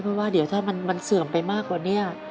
เพราะว่าเดี๋ยวถ้ามันเสื่อมไปมากกว่านี้